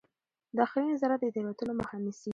داخلي نظارت د تېروتنو مخه نیسي.